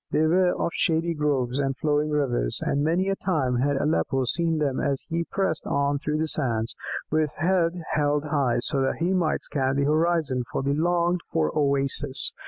They were of shady groves and flowing rivers, and many a time had Aleppo seen them as he pressed on through the sands, with head held high, so that he might scan the horizon for the longed for oasis.